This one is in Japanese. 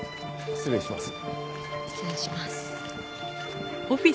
失礼します。